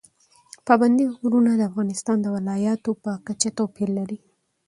پابندی غرونه د افغانستان د ولایاتو په کچه توپیر لري.